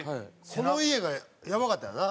この家がやばかったんよな？